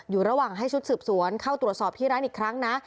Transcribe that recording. อยู่ระหว่างให้ชุดสืบสวนเข้าตรวจสอบที่ร้านอีกครั้งนะ